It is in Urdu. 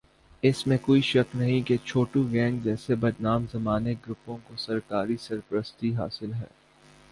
اس میں کوئ شک نہیں کہ چھوٹو گینگ جیسے بدنام زمانہ گروپس کو سرکاری سرپرستی حاصل ہے